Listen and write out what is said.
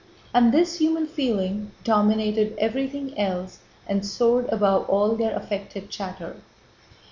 And this human feeling dominated everything else and soared above all their affected chatter.